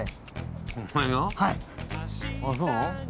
あっそう？